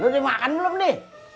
lo dimakan belum di